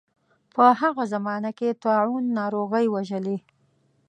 په هغه زمانه کې طاعون ناروغۍ وژلي.